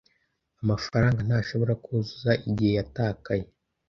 Amafaranga ntashobora kuzuza igihe yatakaye.